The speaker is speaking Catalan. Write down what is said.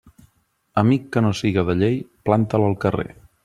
Amic que no siga de llei, planta'l al carrer.